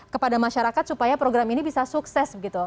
kepada masyarakat supaya program ini bisa sukses begitu